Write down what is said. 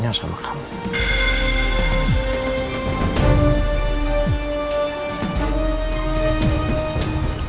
kita harus menemukan al